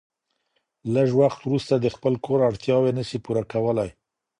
لږ وخت وروسته د خپل کور اړتياوي نسي پوره کولای